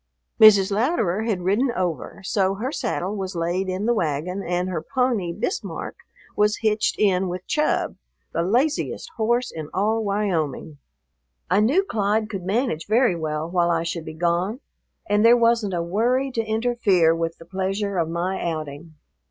Mrs. Louderer had ridden over, so her saddle was laid in the wagon and her pony, Bismarck, was hitched in with Chub, the laziest horse in all Wyoming. I knew Clyde could manage very well while I should be gone, and there wasn't a worry to interfere with the pleasure of my outing.